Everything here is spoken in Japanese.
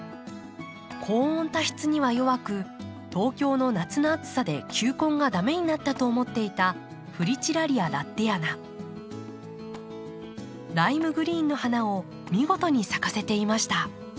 高温多湿には弱く東京の夏の暑さで球根が駄目になったと思っていたライムグリーンの花を見事に咲かせていました。